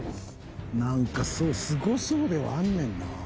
なんかそうすごそうではあんねんな。